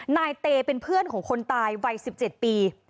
นายเตเป็นเพื่อนของคนตายวัย๑๗ปี